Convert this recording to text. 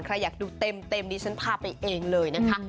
ใครอยากดูเต็มดิฉันพาไปเองเลยนะคะ